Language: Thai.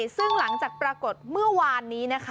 ซึ่งหลังจากปรากฏเมื่อวานนี้นะคะ